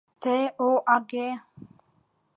— Тэ-о-о-аге!